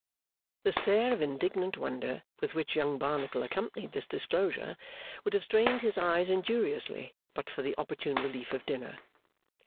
The stare of indignant wonder with which Young Barnacle accompanied this disclosure, would have strained his eyes injuriously but for the opportune relief of dinner.